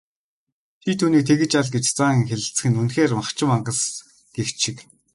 "Чи түүнийг тэгж ал" гэж заан хэлэлцэх нь үнэхээр махчин мангас гэгч шиг.